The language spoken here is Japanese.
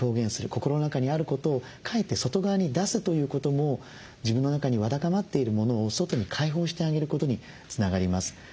心の中にあることを書いて外側に出すということも自分の中にわだかまっているものを外に解放してあげることにつながります。